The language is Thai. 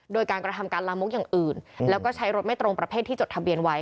โดยการกระทำการลามกอย่างอื่นแล้วก็ใช้รถไม่ตรงประเภทที่จดทะเบียนไว้